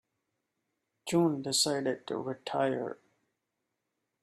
June decided to retire.